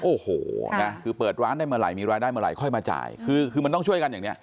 โอ้โหนะคือเปิดร้านได้เมื่อไหร่มีรายได้เมื่อไหค่อยมาจ่ายคือคือมันต้องช่วยกันอย่างเนี้ย